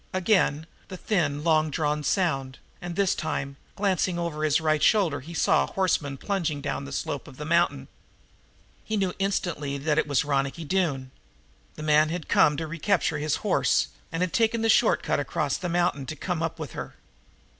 Again that thin, long drawn sound, and this time, glancing over his right shoulder, he saw a horseman plunging down the slope of the mountain. He knew instantly that it was Ronicky Doone. The man had come to recapture his horse and had taken the short cut across the mountain to come up with her.